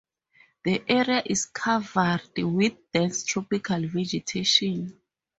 The area is covered with dense tropical vegetation.